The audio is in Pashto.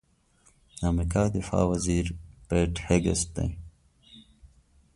د امریکا دفاع وزیر پیټ هېګسیت دی.